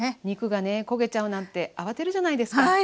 肉がね焦げちゃうなんてあわてるじゃないですか。